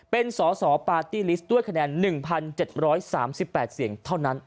เป็นสอสอปาร์ตี้ลิสต์ด้วยคะแนน๑๗๓๘เสียงเท่านั้น